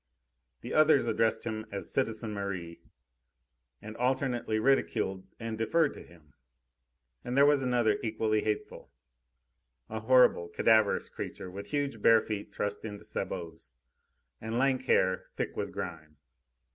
The others addressed him as "citizen Merri," and alternately ridiculed and deferred to him. And there was another, equally hateful, a horrible, cadaverous creature, with huge bare feet thrust into sabots, and lank hair, thick with grime.